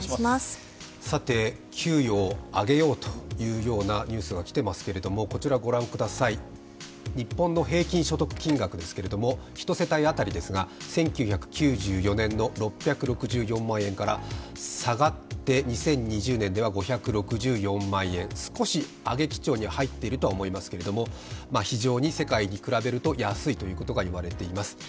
給与を上げようというようなニュースが来ていますけれども、日本の平均所得金額ですけれども、１世帯当たりですが１９９４年の６６４万円から下がって２０２０年では５６４万円、少し上げ基調には入っていると思いますが、非常に世界に比べると安いといわれています。